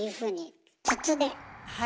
はい。